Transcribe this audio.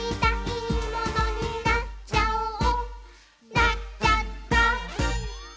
「なっちゃった！」